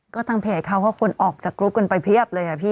ก็ตั้งแผงเขาก็ควรออกจากกลุ๊ปไปเพียบเลย